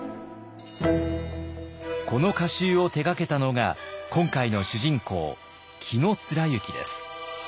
この歌集を手がけたのが今回の主人公紀貫之です。